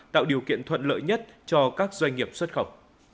tạo điều kiện thuận lợi nhất cho các doanh nghiệp xuất khẩu